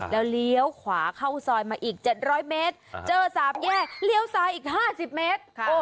แล้วเลี้ยวขวาเข้าซอยมาอีก๗๐๐เมตรเจอ๓แยกเลี้ยวซ้ายอีก๕๐เมตร